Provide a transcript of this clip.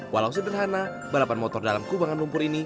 walau sederhana balapan motor dalam kubangan lumpur ini